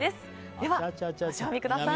では、ご賞味ください。